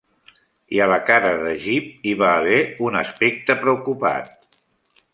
I a la cara de Jip hi va haver un aspecte preocupat.